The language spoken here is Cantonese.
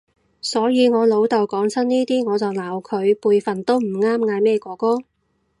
所以我老豆講親呢啲我就鬧佢，輩份都唔啱嗌咩哥哥